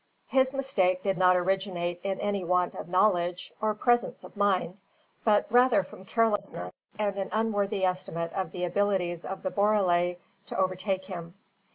His mistake did not originate in any want of knowledge, or presence of mind, but rather from carelessness and an unworthy estimate of the abilities of the borele to overtake him.